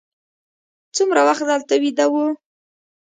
څومره وخت دلته ویده وو.